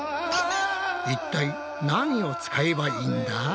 一体何を使えばいいんだ？